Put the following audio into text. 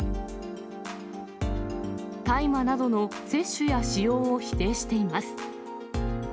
大麻などの摂取や使用を否定しています。